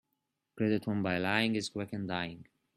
Credit won by lying is quick in dying.